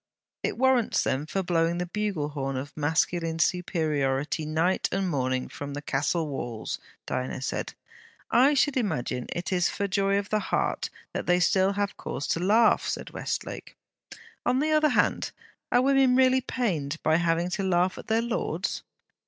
'It warrants them for blowing the bugle horn of masculine superiority night and morning from the castle walls,' Diana said. 'I should imagine it is for joy of heart that they still have cause to laugh!' said Westlake. On the other hand, are women really pained by having to laugh at their lords?